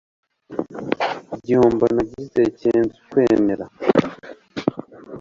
Igihombo nagize kenze ukwemera